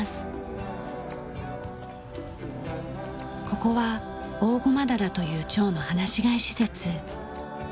ここはオオゴマダラというチョウの放し飼い施設。